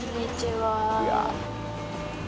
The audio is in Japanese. はい。